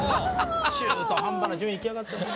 ・中途半端な順位いきやがって。